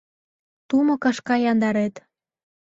Тумо кашка яндарет